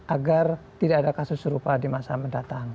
agar tidak ada kasus serupa di masa mendatang